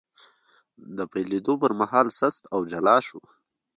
د پیلېدو پر مهال سست او جلا شو،